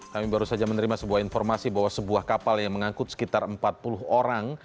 kami baru saja menerima sebuah informasi bahwa sebuah kapal yang mengangkut sekitar empat puluh orang